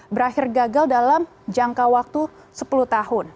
berakhir gagal dalam jangka waktu sepuluh tahun